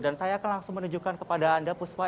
dan saya akan langsung menunjukkan kepada anda puspa